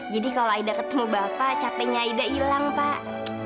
jadi kalau aida ketemu bapak capeknya aida hilang pak